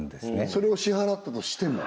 それを支払ったとしても？